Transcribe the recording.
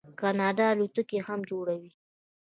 کاناډا الوتکې هم جوړوي.